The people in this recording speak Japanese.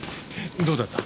どうだった？